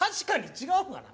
違うがな。